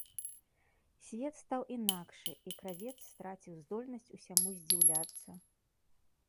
Свет стаў інакшы, і кравец страціў здольнасць усяму здзіўляцца.